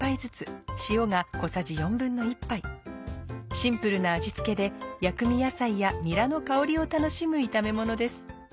シンプルな味付けで薬味野菜やにらの香りを楽しむ炒めものです。